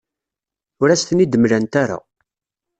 Ur as-ten-id-mlant ara.